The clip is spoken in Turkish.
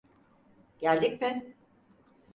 Geldik mi?